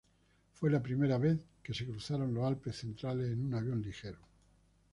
Fue la primera vez que se cruzaron los Alpes centrales en un avión ligero.